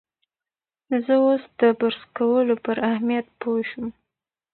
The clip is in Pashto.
زه اوس د برس کولو پر اهمیت پوه شوم.